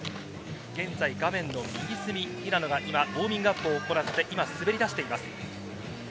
現在画面の右隅、平野がウオーミングアップを行って滑りだしています。